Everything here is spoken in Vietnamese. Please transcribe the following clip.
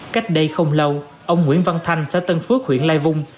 cách đây không lâu ông nguyễn văn thanh xã tân phước huyện lai vung